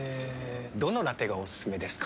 どのラテがおすすめですか？